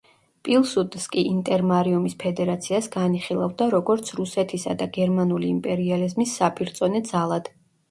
პილსუდსკი ინტერმარიუმის ფედერაციას განიხილავდა, როგორც რუსეთისა და გერმანული იმპერიალიზმის საპირწონე ძალად.